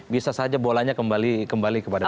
bisa saja bolanya kembali kepada